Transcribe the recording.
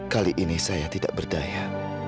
kali ini saya tidak berdaya